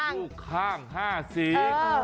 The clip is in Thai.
ลูกข้าง๕สี